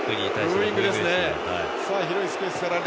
ブーイングですね。